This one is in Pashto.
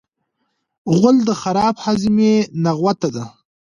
غول د خراب هاضمې نغوته ده.